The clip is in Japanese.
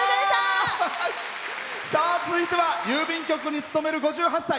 続いては郵便局に勤める５８歳。